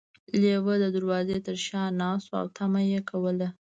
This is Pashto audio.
لیوه د دروازې تر شا ناست و او تمه یې کوله.